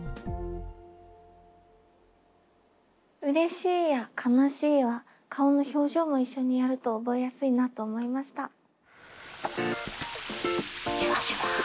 「うれしい」や「悲しい」は顔の表情も一緒にやると覚えやすいなと思いました。